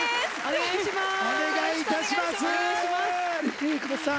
お願いします。